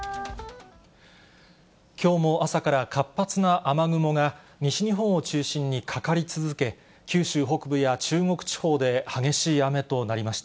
きょうも朝から活発な雨雲が西日本を中心にかかり続け、九州北部や中国地方で激しい雨となりました。